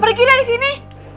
pergi dari sini